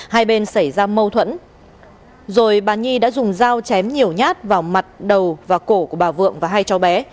hai bên xảy ra mâu thuẫn rồi bà nhi đã dùng dao chém nhiều nhát vào mặt đầu và cổ của bà vượng và hai cháu bé